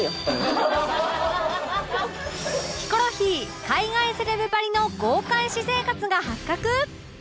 ヒコロヒー海外セレブばりの豪快私生活が発覚？